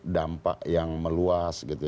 dampak yang meluas